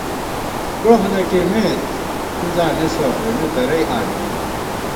کݨوہ نہ کېئیمېت ، تُو زانېسہ اېمےتَرَئی آنِمېت